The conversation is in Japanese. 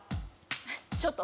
「ちょっと！